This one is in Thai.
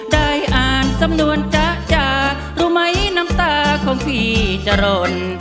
ได้อ่านสำนวนจ๊ะจ๊ะรู้ไหมน้ำตาของพี่จรน